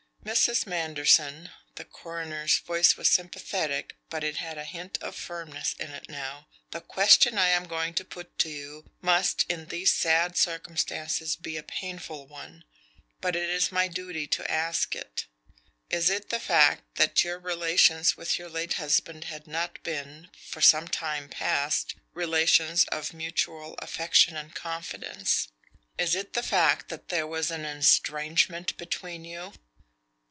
"Mrs. Manderson." The coroner's voice was sympathetic, but it had a hint of firmness in it now. "The question I am going to put to you must, in these sad circumstances, be a painful one; but it is my duty to ask it. Is it the fact that your relations with your late husband had not been, for some time past, relations of mutual affection and confidence? Is it the fact that there was an estrangement between you?"